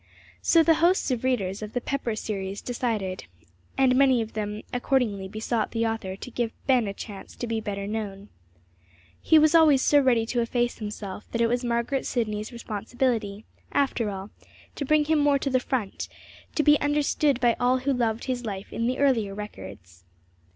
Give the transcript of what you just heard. So the hosts of readers of the Pepper Series decided, and many of them accordingly be sought the author to give Ben a chance to be better known. He was always so ready to efface himself, that it was Margaret Sidney's responsibility, after all, to bring him more to the front, to be understood by all who loved his life in the earlier records.